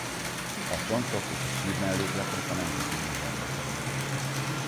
A csontok és a sírmellékletek a Nemzeti Múzeumba kerültek.